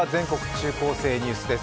中高生ニュース」です。